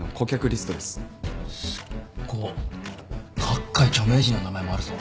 各界著名人の名前もあるぞ。